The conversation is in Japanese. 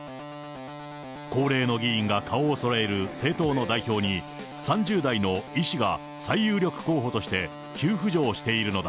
高齢の議員が顔をそろえる政党の代表に、３０代の医師が最有力候補として急浮上しているのだ。